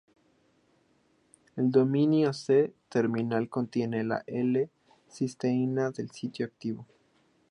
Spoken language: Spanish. El dominio C-terminal contiene a la L-cisteína del sitio activo.